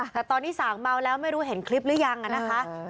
แต่ตอนนี้สางเมาแล้วไม่รู้เห็นคลิปหรือยังนะคะ